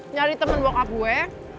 nyari temen bokap gue